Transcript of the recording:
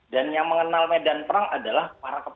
dan yang mengenal medan perang adalah para rakyat